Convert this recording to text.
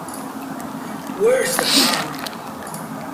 Where's the harm?